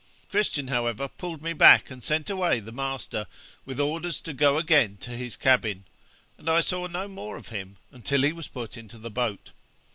Christian, however, pulled me back, and sent away the master, with orders to go again to his cabin, and I saw no more of him, until he was put into the boat.